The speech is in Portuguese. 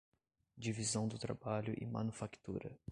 Divisão do trabalho e manufactura